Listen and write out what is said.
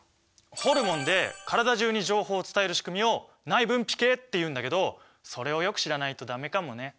ホルモンで体中に情報を伝える仕組みを内分泌系っていうんだけどそれをよく知らないと駄目かもね。